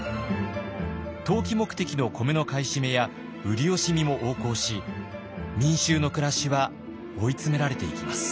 投機目的の米の買い占めや売り惜しみも横行し民衆の暮らしは追い詰められていきます。